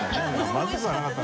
まずくはなかった。